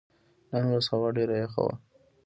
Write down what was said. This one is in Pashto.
نن ورځ هوا ډېره یخه وه.